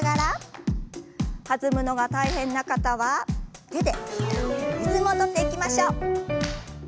弾むのが大変な方は手でリズムを取っていきましょう。